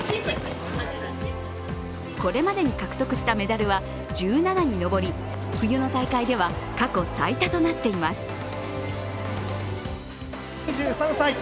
これまでに獲得したメダルは１７に上り冬の大会では過去最多となっています。